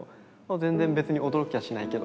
「全然別に驚きはしないけど」みたいな。